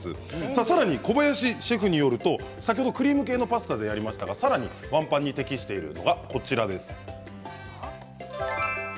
さらに小林シェフによると先ほどクリーム系のパスタでやりましたがワンパンに適しているのはこちらです。